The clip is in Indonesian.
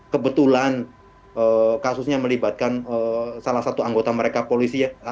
kebetulan kasusnya melibatkan salah satu anggota mereka polisi ya